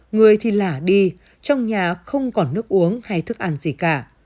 người thì lả đi trong nhà không còn nước uống hay thức ăn gì cả